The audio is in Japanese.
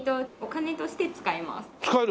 お金として使えます。